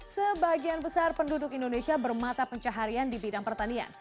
sebagian besar penduduk indonesia bermata pencaharian di bidang pertanian